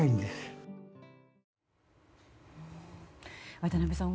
渡辺さん